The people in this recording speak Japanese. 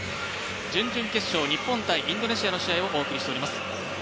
準々決勝、日本×インドネシアの試合をお送りしています。